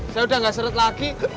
saya udah gak seret lagi